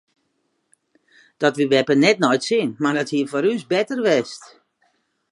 Dat wie beppe net nei it sin mar dat hie foar ús better west.